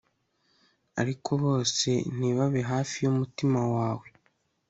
ariko bose ntibabe hafi yumutima wawe